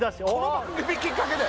この番組きっかけで？